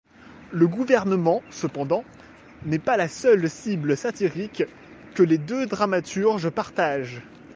Le gouvernement, cependant, n'est pas la seule cible satirique que les deux dramaturges partagent.